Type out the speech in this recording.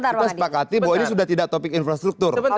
kita sepakati bahwa ini sudah tidak topik infrastruktur